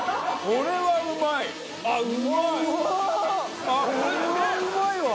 これはうまいわ！